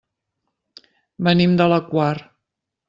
Venim de la Quar.